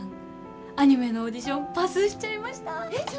アニメのオーディションパスしちゃいました！